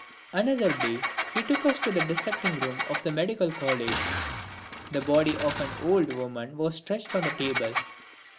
Another day he took us to the dissecting room of the Medical College. The body of an old woman was stretched on the table.